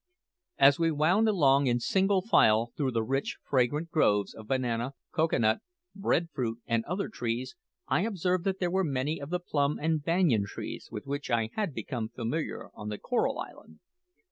As we wound along in single file through the rich, fragrant groves of banana, cocoa nut, bread fruit, and other trees, I observed that there were many of the plum and banyan trees, with which I had become familiar on the Coral Island.